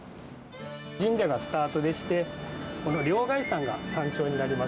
神社がスタートでして、この両崖山が山頂になります。